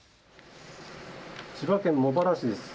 千葉県茂原市です。